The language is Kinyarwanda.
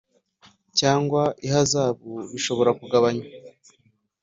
cyangwa ihazabu bishobora kugabanywa